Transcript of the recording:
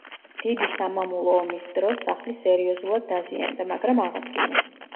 დიდი სამამულო ომის დროს, სახლი სერიოზულად დაზიანდა, მაგრამ აღადგინეს.